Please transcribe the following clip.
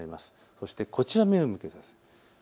そしてこちらに目を向けてください。